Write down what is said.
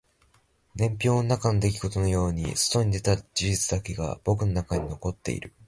年表の中の出来事のように外に出た事実だけが僕の中に残っている